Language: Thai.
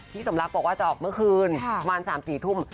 สมรักบอกว่าจะออกเมื่อคืนประมาณ๓๔ทุ่ม